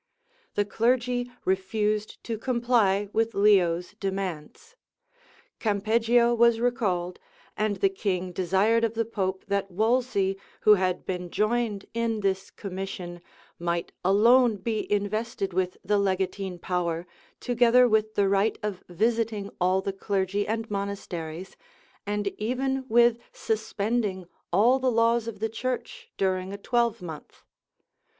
The clergy refused to comply with Leo's demands: Campeggio was recalled; and the king desired of the pope that Wolsey, who had been joined in this commission, might alone be invested with the legatine power, together with the right of visiting all the clergy and monasteries, and even with suspending all the laws of the church during a twelvemonth.